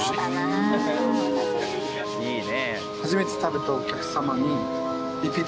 いいね。